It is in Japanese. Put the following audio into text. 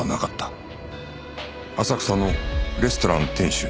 浅草のレストラン店主